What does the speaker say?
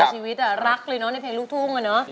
ชีวิตรักเลยนะในเพลงลูกทุ่ง